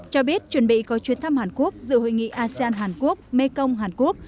cho biết chuẩn bị có chuyến thăm hàn quốc dự hội nghị asean hàn quốc mekong hàn quốc